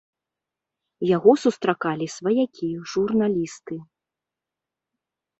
Яго сустракалі сваякі, журналісты.